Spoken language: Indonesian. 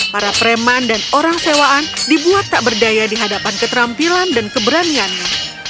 para preman dan orang sewaan dibuat tak berdaya di hadapan keterampilan dan keberaniannya